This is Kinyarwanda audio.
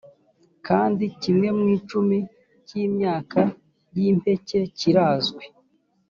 kandi kimwe mu icumi cy imyaka y impeke kirazwi